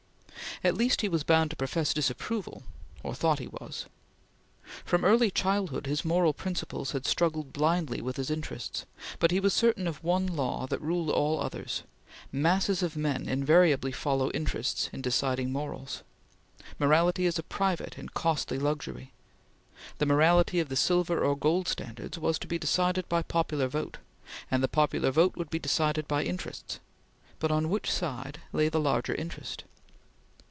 At least he was bound to profess disapproval or thought he was. From early childhood his moral principles had struggled blindly with his interests, but he was certain of one law that ruled all others masses of men invariably follow interests in deciding morals. Morality is a private and costly luxury. The morality of the silver or gold standards was to be decided by popular vote, and the popular vote would be decided by interests; but on which side lay the larger interest?